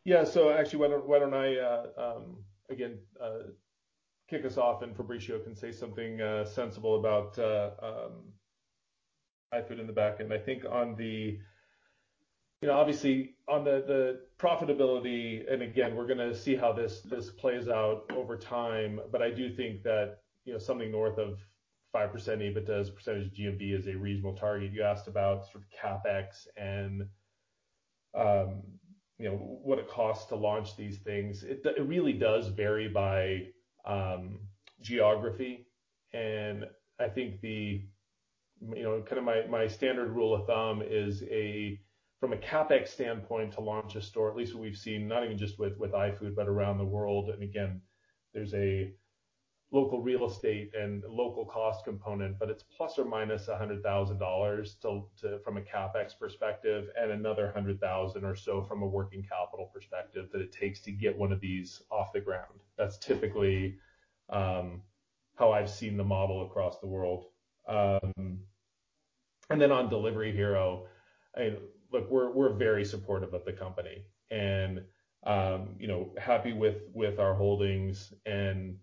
Yeah. Actually, why don't I again kick us off, and Fabricio can say something sensible about iFood in the back end. I think on the profitability. You know, obviously, on the profitability, and again, we're gonna see how this plays out over time, but I do think that, you know, something north of 5% EBITDA, percentage GMV is a reasonable target. You asked about sort of CapEx and you know what it costs to launch these things. It really does vary by geography. I think the You know, kind of my standard rule of thumb is from a CapEx standpoint to launch a store, at least what we've seen, not even just with iFood, but around the world, and again, there's a local real estate and local cost component, but it's ±$100,000 from a CapEx perspective and another $100,000 or so from a working capital perspective that it takes to get one of these off the ground. That's typically how I've seen the model across the world. And then on Delivery Hero, look, we're very supportive of the company and you know, happy with our holdings and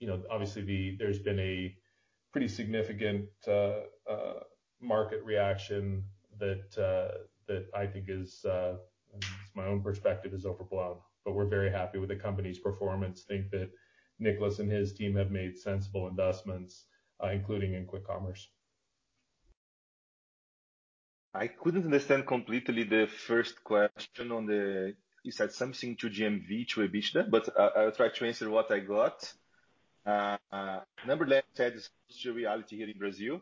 you know, obviously, there's been a pretty significant market reaction that I think is my own perspective is overblown. We're very happy with the company's performance. I think that Niklas and his team have made sensible investments, including in quick commerce. I couldn't understand completely the first question. You said something to GMV to EBITDA, but I'll try to answer what I got. Number one, Ted, is just a reality here in Brazil,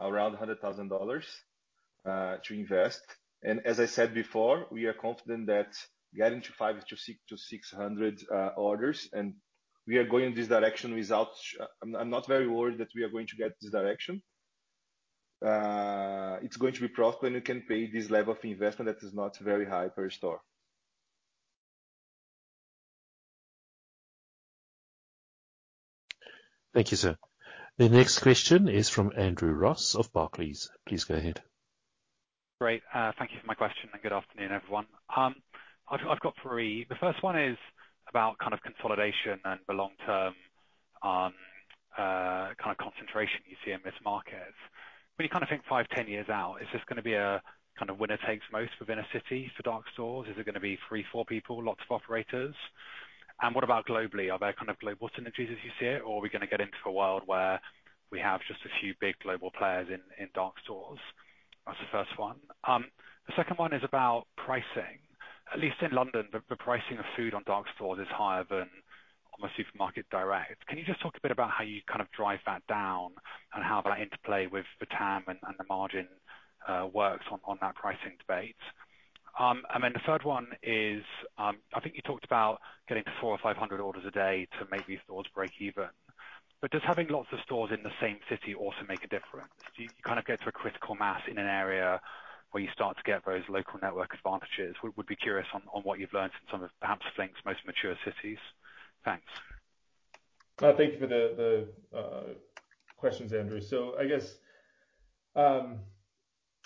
around $100,000 to invest. As I said before, we are confident that getting to 500-600 orders, and we are going this direction without. I'm not very worried that we are going to get this direction. It's going to be profit, and you can pay this level of investment that is not very high per store. Thank you, sir. The next question is from Andrew Ross of Barclays. Please go ahead. Great. Thank you for my question, and good afternoon, everyone. I've got three. The first one is about kind of consolidation and the long-term, kind of concentration you see in this market. When you kind of think five, 10 years out, is this gonna be a kind of winner takes most within a city for dark stores? Is it gonna be three, four people, lots of operators? And what about globally? Are there kind of global synergies as you see it, or are we gonna get into a world where we have just a few big global players in dark stores? That's the first one. The second one is about pricing. At least in London, the pricing of food on dark stores is higher than on a supermarket direct. Can you just talk a bit about how you kind of drive that down and how that interplay with the TAM and the margin works on that pricing debate? The third one is, I think you talked about getting to 400 or 500 orders a day to make these stores break even. Does having lots of stores in the same city also make a difference? Do you kind of get to a critical mass in an area where you start to get those local network advantages? We'd be curious on what you've learned from some of perhaps Flink's most mature cities. Thanks. Thank you for the questions, Andrew. I guess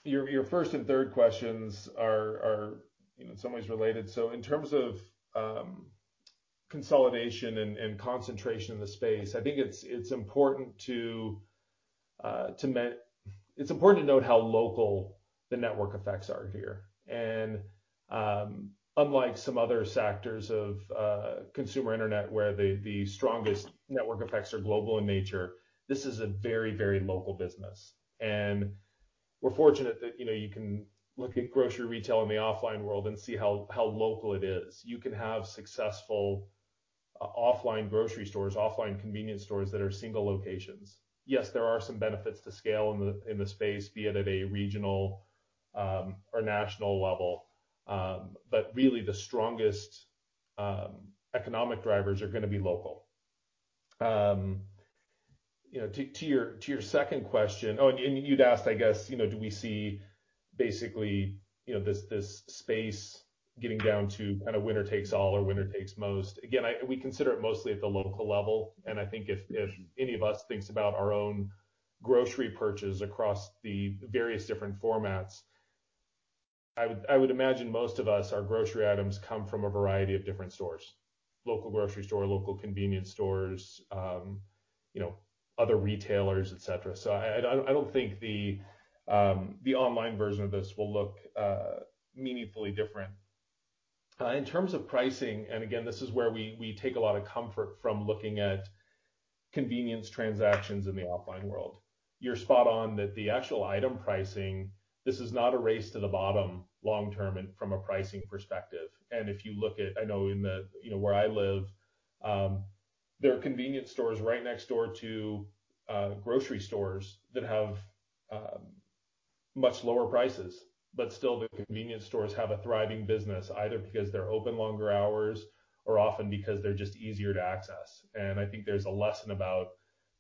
your first and third questions are in some ways related. In terms of consolidation and concentration in the space, I think it's important to note how local the network effects are here. Unlike some other sectors of consumer internet where the strongest network effects are global in nature, this is a very, very local business. We're fortunate that, you know, you can look at grocery retail in the offline world and see how local it is. You can have successful offline grocery stores, offline convenience stores that are single locations. Yes, there are some benefits to scale in the space, be it at a regional or national level. Really the strongest economic drivers are gonna be local. You know, to your second question. Oh, and you'd asked, I guess, you know, do we see basically, you know, this space getting down to kind of winner takes all or winner takes most. Again, we consider it mostly at the local level, and I think if any of us thinks about our own grocery purchase across the various different formats, I would imagine most of us, our grocery items come from a variety of different stores. Local grocery store, local convenience stores, you know, other retailers, et cetera. I don't think the online version of this will look meaningfully different. In terms of pricing, and again, this is where we take a lot of comfort from looking at convenience transactions in the offline world. You're spot on that the actual item pricing, this is not a race to the bottom long term and from a pricing perspective. If you look at, I know in the, you know, where I live, there are convenience stores right next door to grocery stores that have much lower prices. But still the convenience stores have a thriving business, either because they're open longer hours or often because they're just easier to access. I think there's a lesson about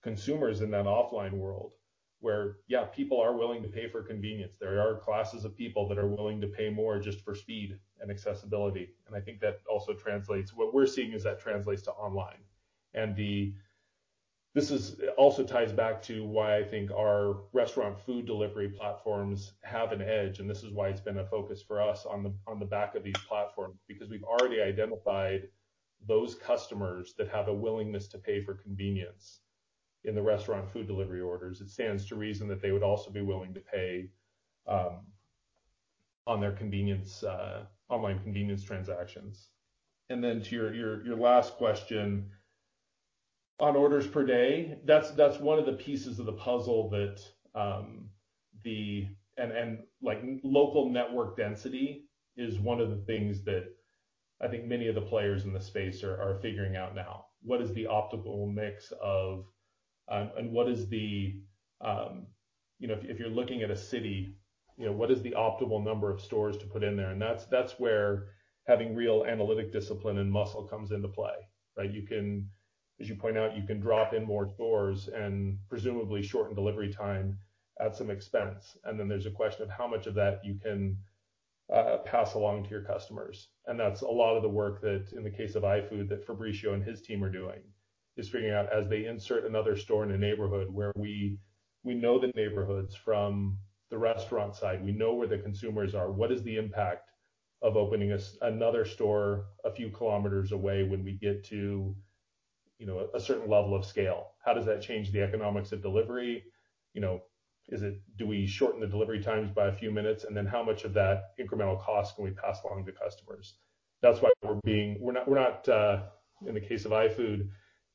consumers in that offline world where, yeah, people are willing to pay for convenience. There are classes of people that are willing to pay more just for speed and accessibility. What we're seeing is that translates to online. This also ties back to why I think our restaurant food delivery platforms have an edge, and this is why it's been a focus for us on the back of these platforms. Because we've already identified those customers that have a willingness to pay for convenience in the restaurant food delivery orders. It stands to reason that they would also be willing to pay for convenience in online convenience transactions. To your last question, on orders per day, that's one of the pieces of the puzzle that, like, local network density is one of the things that I think many of the players in the space are figuring out now. You know, if you're looking at a city, you know, what is the optimal number of stores to put in there? That's where having real analytic discipline and muscle comes into play, right? You can, as you point out, you can drop in more stores and presumably shorten delivery time at some expense. There's a question of how much of that you can pass along to your customers. That's a lot of the work that, in the case of iFood, Fabricio and his team are doing, figuring out as they insert another store in a neighborhood where we know the neighborhoods from the restaurant side. We know where the consumers are. What is the impact of opening another store a few kilometers away when we get to, you know, a certain level of scale? How does that change the economics of delivery? You know, is it, do we shorten the delivery times by a few minutes? Then how much of that incremental cost can we pass along to customers? That's why we're not, in the case of iFood,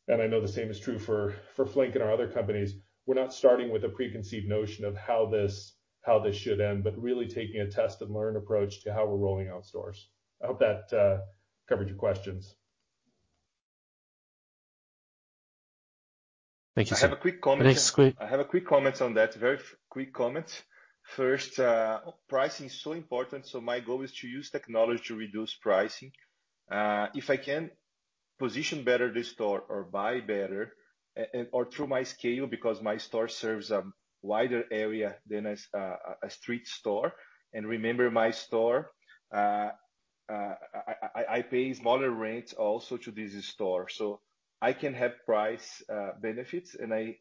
and I know the same is true for Flink and our other companies, we're not starting with a preconceived notion of how this should end, but really taking a test and learn approach to how we're rolling out stores. I hope that covered your questions. Thank you, sir. I have a quick comment on that. Very quick comment. First, pricing is so important, so my goal is to use technology to reduce pricing. If I can position better the store or buy better, and or through my scale, because my store serves a wider area than a street store. Remember my store, I pay smaller rent also to this store. I can have price benefits, and I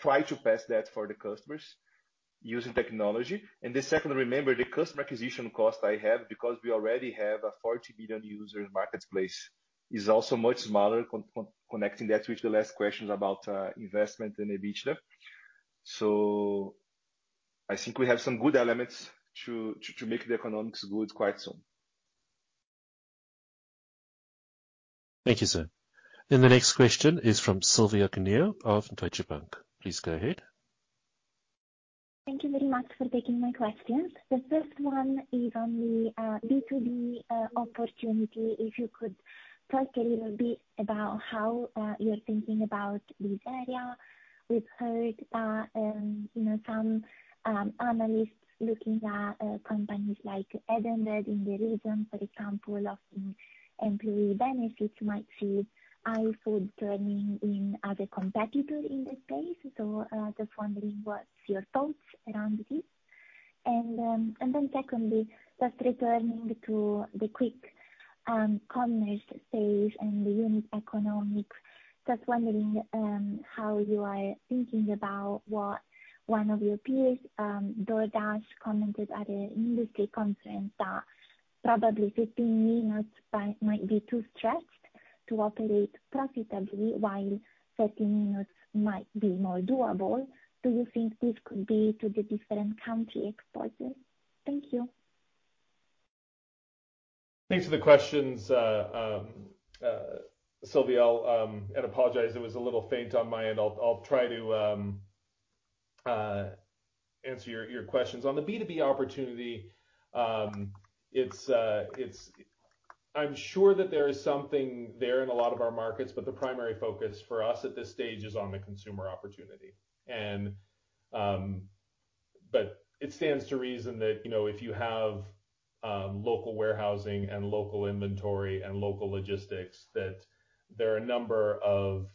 try to pass that for the customers using technology. The second, remember the customer acquisition cost I have, because we already have a 40 million user marketplace, is also much smaller connecting that with the last question about investment in each level. I think we have some good elements to make the economics good quite soon. Thank you, sir. The next question is from Silvia Cuneo of Deutsche Bank. Please go ahead. Thank you very much for taking my questions. The first one is on the B2B opportunity. If you could talk a little bit about how you're thinking about this area. We've heard that you know some analysts looking at companies like Edenred in the region, for example, offering employee benefits might see iFood joining in as a competitor in that space. Just wondering what's your thoughts around this? Secondly, just returning to the quick commerce phase and the unit economics. Just wondering, how you are thinking about what one of your peers, DoorDash, commented at an industry conference that probably 15 minutes might be too stretched to operate profitably, while 30 minutes might be more doable. Do you think this could be due to the different country exposures? Thank you. Thanks for the questions. Silvia. I'll apologize, it was a little faint on my end. I'll try to answer your questions. On the B2B opportunity, I'm sure that there is something there in a lot of our markets, but the primary focus for us at this stage is on the consumer opportunity. But it stands to reason that, you know, if you have local warehousing and local inventory and local logistics, that there are a number of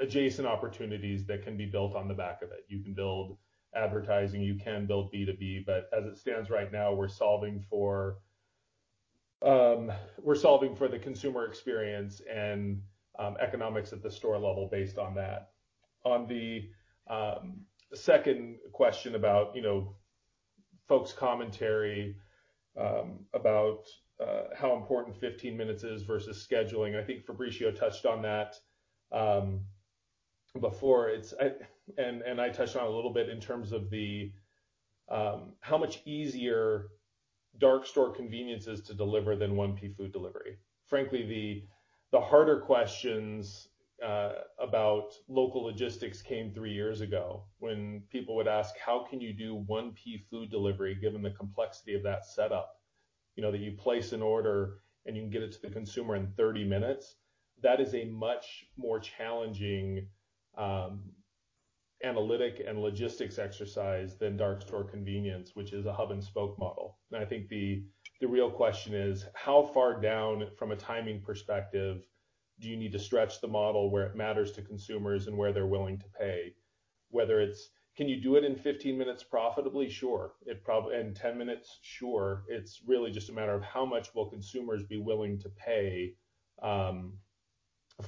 adjacent opportunities that can be built on the back of it. You can build advertising, you can build B2B, but as it stands right now, we're solving for the consumer experience and economics at the store level based on that. On the second question about, you know, folks' commentary about how important 15 minutes is versus scheduling. I think Fabricio touched on that before. I touched on it a little bit in terms of how much easier dark store convenience is to deliver than one piece food delivery. Frankly, the harder questions about local logistics came three years ago when people would ask, "How can you do one piece food delivery given the complexity of that setup?" You know, that you place an order, and you can get it to the consumer in 30 minutes. That is a much more challenging analytic and logistics exercise than dark store convenience, which is a hub and spoke model. I think the real question is how far down from a timing perspective do you need to stretch the model where it matters to consumers and where they're willing to pay? Whether it's can you do it in 15 minutes profitably? Sure. In 10 minutes? Sure. It's really just a matter of how much will consumers be willing to pay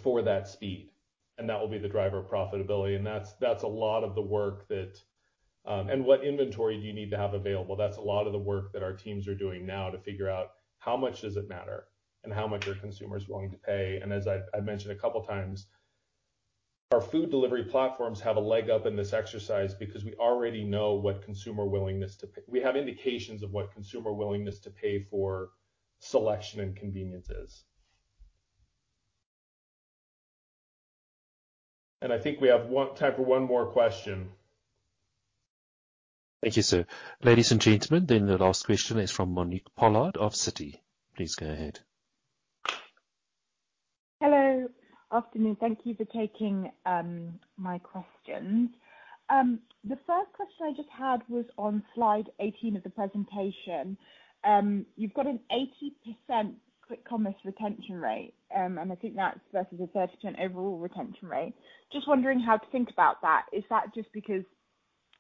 for that speed, and that will be the driver of profitability. What inventory do you need to have available? That's a lot of the work that our teams are doing now to figure out how much does it matter and how much are consumers willing to pay. As I've mentioned a couple times, our food delivery platforms have a leg up in this exercise because we already know. We have indications of what consumer willingness to pay for selection and convenience is. I think we have time for one more question. Thank you, sir. Ladies and gentlemen, the last question is from Monique Pollard of Citi. Please go ahead. Hello. Afternoon. Thank you for taking my questions. The first question I just had was on slide 18 of the presentation. You've got an 80% quick commerce retention rate, and I think that's versus a 30% overall retention rate. Just wondering how to think about that. Is that just because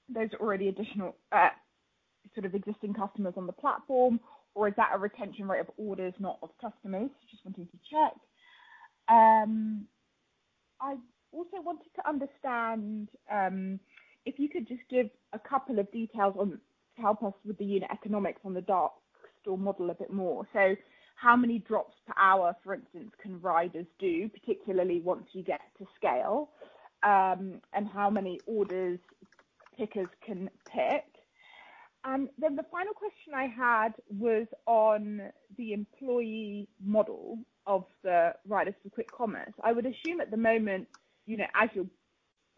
there's already additional sort of existing customers on the platform, or is that a retention rate of orders, not of customers? Just wanting to check. I also wanted to understand if you could just give a couple of details on to help us with the unit economics on the dark store model a bit more. So how many drops per hour, for instance, can riders do, particularly once you get to scale, and how many orders pickers can pick? The final question I had was on the employee model of the riders for quick commerce. I would assume at the moment, you know, as you're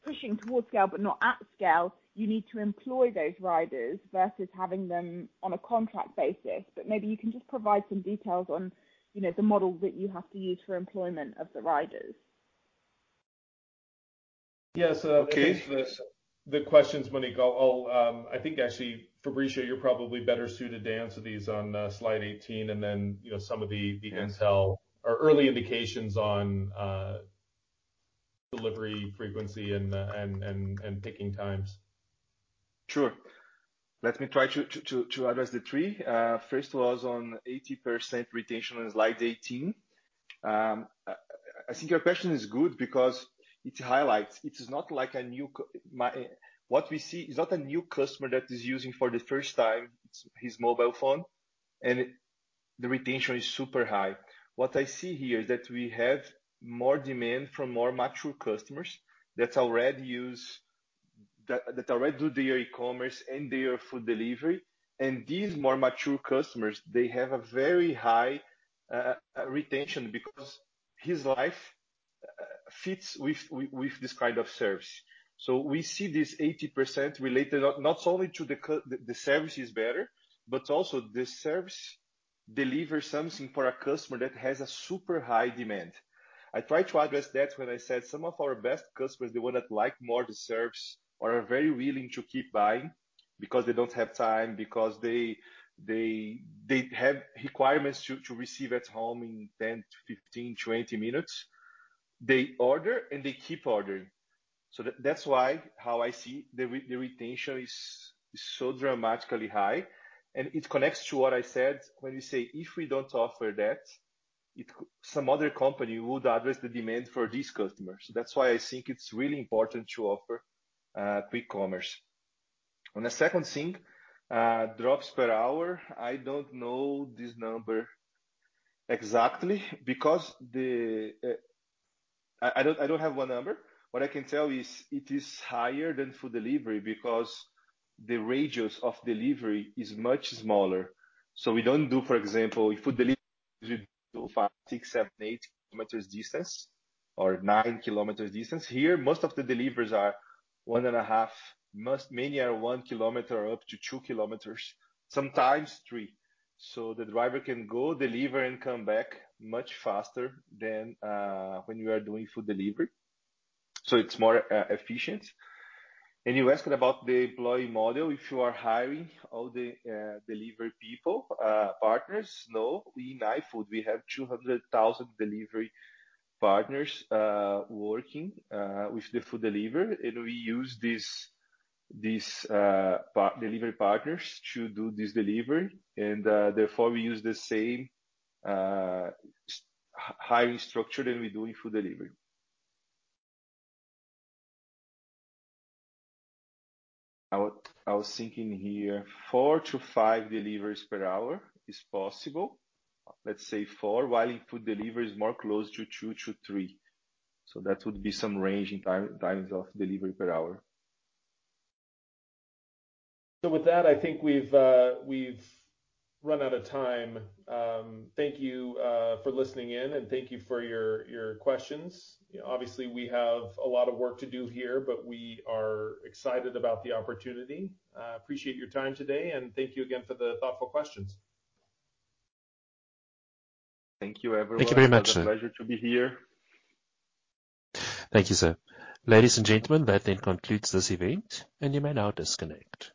pushing towards scale but not at scale, you need to employ those riders versus having them on a contract basis. Maybe you can just provide some details on, you know, the model that you have to use for employment of the riders. Yeah. Thanks for the questions, Monique. I'll, I think, actually, Fabricio, you're probably better suited to answer these on slide 18 and then, you know, some of the intel or early indications on delivery frequency and picking times. Sure. Let me try to address the three. First was on 80% retention on slide 18. I think your question is good because it highlights it is not like a new customer that is using for the first time his mobile phone, and the retention is super high. What we see is not a new customer that is using for the first time his mobile phone, and the retention is super high. What I see here is that we have more demand from more mature customers that already do their e-commerce and their food delivery. These more mature customers, they have a very high retention because his life fits with this kind of service. We see this 80% related not only to the customer, the service is better, but also the service delivers something for a customer that has a super high demand. I tried to address that when I said some of our best customers, the ones that like more the service or are very willing to keep buying because they don't have time, because they have requirements to receive at home in 10-15, 20 minutes. They order and they keep ordering. That's why how I see the retention is so dramatically high, and it connects to what I said when you say, "If we don't offer that, some other company would address the demand for these customers." That's why I think it's really important to offer quick commerce. On the second thing, drops per hour. I don't know this number exactly because I don't have one number. What I can tell you is, it is higher than food delivery because the radius of delivery is much smaller. We don't do, for example, in food delivery, we do 5, 6, 7, 8 km distance or 9 km distance. Here, most of the deliveries are 1.5 km. Many are 1 km up to 2 km, sometimes 3 km. The driver can go deliver and come back much faster than when you are doing food delivery. It's more efficient. You asked about the employee model, if you are hiring all the delivery people, partners. No. We, in iFood, we have 200,000 delivery partners working with the food delivery, and we use these delivery partners to do this delivery and therefore we use the same hiring structure that we do in food delivery. I was thinking here, 4-5 deliveries per hour is possible. Let's say four, while in food delivery is more close to 2-3. That would be some range in times of delivery per hour. With that, I think we've run out of time. Thank you for listening in, and thank you for your questions. Obviously, we have a lot of work to do here, but we are excited about the opportunity. Appreciate your time today, and thank you again for the thoughtful questions. Thank you, everyone. Thank you very much, sir. It was a pleasure to be here. Thank you, sir. Ladies and gentlemen, that then concludes this event, and you may now disconnect.